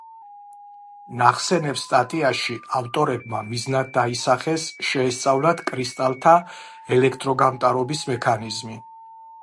ნახსენებ სტატიაში ავტორებმა მიზნად დაისახეს შეესწავლათ კრისტალთა ელექტროგამტარობის მექანიზმი.